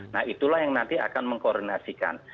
nah itulah yang nanti akan mengkoordinasikan